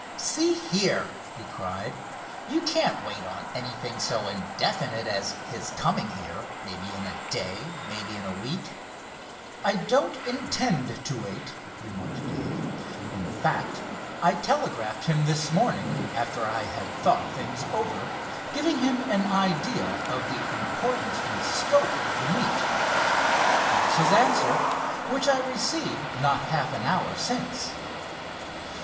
"See here!" he cried, "you can't wait on anything so indefinite as his coming here, maybe in a day; maybe in a week." "I don't intend to wait," remarked Dave. "In fact, I telegraphed him this morning, after I had thought things over, giving him an idea of the importance and scope of the meet. Here's his answer, which I received not half an hour since."